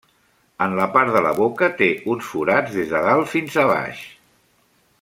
En la part de la boca té uns forats des de dalt fins a baix.